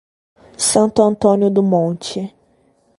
Santo Antônio do Monte